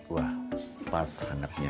wah pas hangatnya